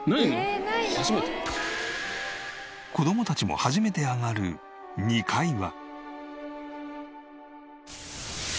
子供たちも初めて上がる２階は？